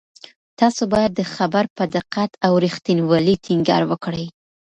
تاسو باید د خبر په دقت او رښتینولۍ ټینګار وکړئ.